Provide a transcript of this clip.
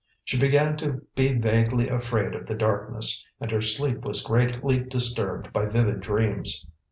She began to be vaguely afraid of the darkness, and her sleep was greatly disturbed by vivid dreams.